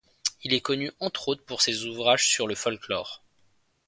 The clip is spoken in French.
Il est connu entre autres pour ses ouvrages sur le folklore.